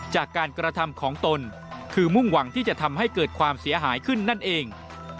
จากการกระทำของตนคือมุ่งหวังที่จะทำให้เกิดความเสียหายขึ้นนั่นเอง